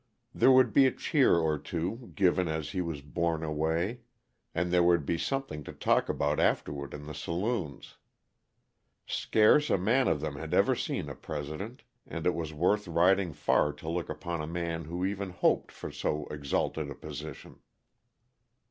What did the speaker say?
There would be a cheer or two given as he was borne away and there would be something to talk about afterward in the saloons. Scarce a man of then had ever seen a President, and it was worth riding far to look upon a man who even hoped for so exalted a position.